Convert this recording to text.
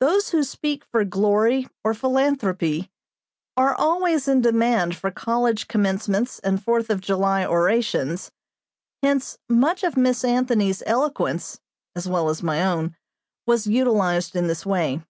Those who speak for glory or philanthropy are always in demand for college commencements and Fourth of July orations, hence much of Miss Anthony's eloquence, as well as my own, was utilized in this way.